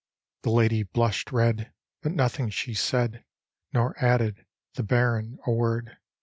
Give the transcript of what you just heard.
— The lady blush'd red, but nothing she said: Nor added the Baron a word.